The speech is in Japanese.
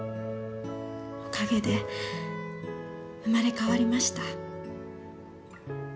おかげで生まれ変わりました。